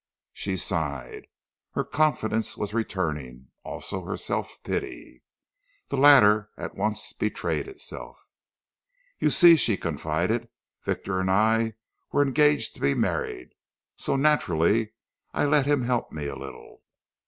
She sighed. Her confidence was returning also her self pity. The latter at once betrayed itself. "You see," she confided, "Victor and I were engaged to be married, so naturally I let him help me a little.